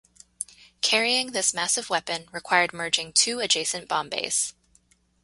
Carrying this massive weapon required merging two adjacent bomb bays.